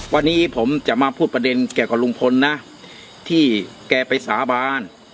วันนี้ผมจะมาพูดประเด็นเกี่ยวกับลุงพลนะที่แกไปสาบาน